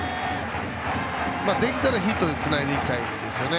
できたらヒットでつないでいきたいですね。